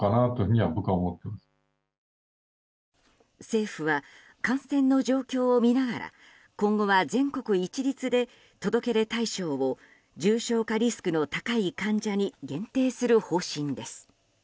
政府は感染の状況を見ながら今後は全国一律で届け出対象を重症化リスクの高い患者に限定する方針です。